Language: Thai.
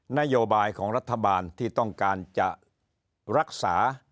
นโยบายของรัฐบาลที่ต้องการจะรักษา